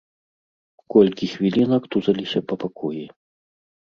Колькі хвілінак тузаліся па пакоі.